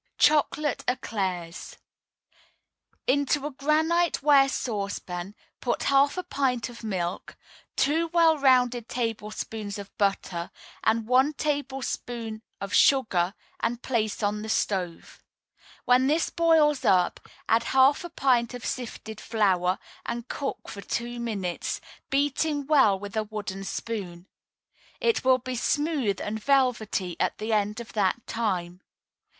CHOCOLATE ÉCLAIRS Into a granite ware saucepan put half a pint of milk, two well rounded tablespoonfuls of butter, and one tablespoonful of sugar, and place on the stove. When this boils up, add half a pint of sifted flour, and cook for two minutes, beating well with a wooden spoon. It will be smooth and velvety at the end of that time.